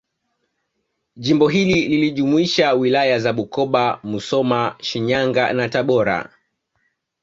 Jimbo hili lilijumuisha Wilaya za Bukoba Musoma Shinyanga na Tabora